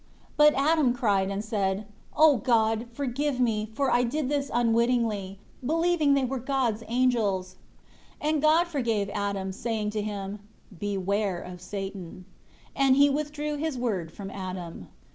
8 But Adam cried, and said, "O God, forgive me, for I did this unwittingly; believing they were God's angels." 9 And God forgave Adam, saying to him, "Beware of Satan." 10 And He withdrew His Word from Adam.